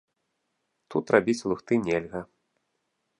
Тут рабіць лухты нельга.